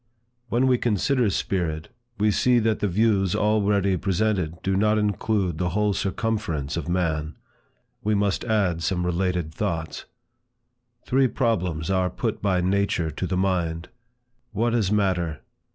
When we consider Spirit, we see that the views already presented do not include the whole circumference of man. We must add some related thoughts. Three problems are put by nature to the mind; What is matter?